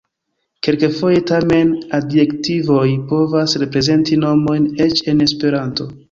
Kelkfoje tamen adjektivoj povas reprezenti nomojn, eĉ en Esperanto.